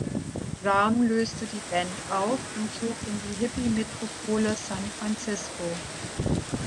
Sahm löste die Band auf und zog in die Hippie-Metropole San Francisco.